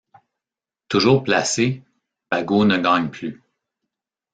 Toujours placé, Bago ne gagne plus.